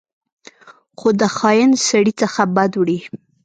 خو د خاین سړي څخه بد وړي.